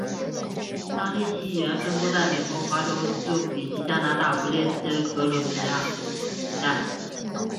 萨利希语言分布在美国华盛顿州以及加拿大不列颠哥伦比亚环萨利希海一带。